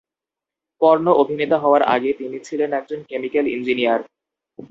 Porn অভিনেতা হওয়ার আগে তিনি ছিলেন একজন কেমিক্যাল ইঞ্জিনিয়ার।